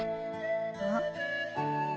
あっ。